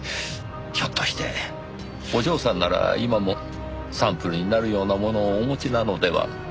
ひょっとしてお嬢さんなら今もサンプルになるようなものをお持ちなのでは？